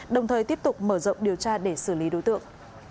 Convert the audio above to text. đồng thời tiếp tục mở rộng điều tra để xử lý đối tượng